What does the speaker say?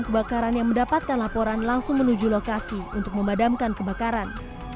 kebakaran yang mendapatkan laporan langsung menuju lokasi untuk memadamkan kebakaran